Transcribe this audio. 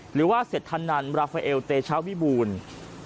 หรือว่าเสธนันดิ์ราเฟอร์เอลเตชาวิบูรนะ